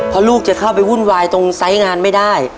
เพราะลูกจะเข้าไปวุ่นวายตรงไซส์งานไม่ได้